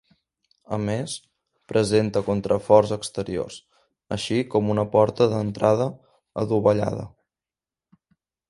A més, presenta contraforts exteriors, així com una porta d'entrada adovellada.